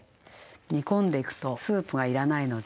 煮込んでいくとスープが要らないので。